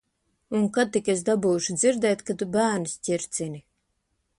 Un kad tik es dabūšu dzirdēt, ka tu bērnus ķircini.